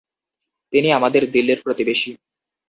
তিনি আমাদের দিল্লির প্রতিবেশী।